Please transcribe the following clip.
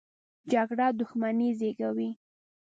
جګړه دښمني زېږوي